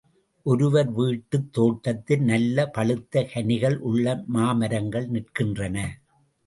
ஒருவர் வீட்டுத் தோட்டத்தில் நல்ல பழுத்த கனிகள் உள்ள மாமரங்கள் நிற்கின்றன.